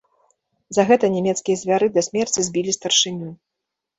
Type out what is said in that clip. За гэта нямецкія звяры да смецці збілі старшыню.